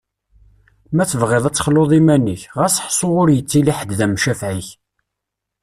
Ma tebɣiḍ ad texluḍ iman-ik, xas ḥṣu ur yettili ḥed d amcafeɛ-ik.